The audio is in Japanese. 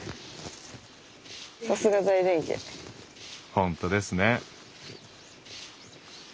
本当ですね。